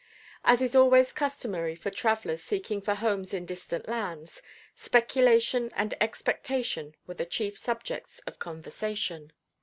As is always customary for travelers seeking for homes in distant lands, speculation and expectation were the chief subjects of conversation.